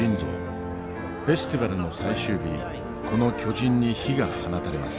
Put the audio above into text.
フェスティバルの最終日この巨人に火が放たれます。